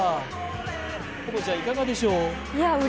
このちゃん、いかがでしょう？